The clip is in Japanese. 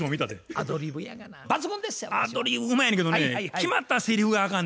アドリブうまいんやけどね決まったセリフがあかんねん。